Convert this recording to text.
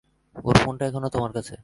ওর ফোনটা এখনো তোমার কাছে।